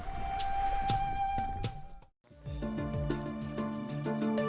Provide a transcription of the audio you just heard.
kami berada di pulau romang